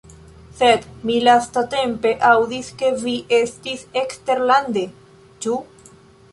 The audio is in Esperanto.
Sed mi lastatempe aŭdis ke vi estis eksterlande, ĉu?